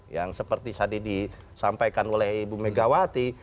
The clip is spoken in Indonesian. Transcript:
yang seperti tadi disampaikan oleh ibu megawati